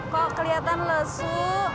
kok kelihatan lesu